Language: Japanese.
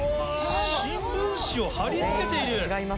新聞紙を張り付けている。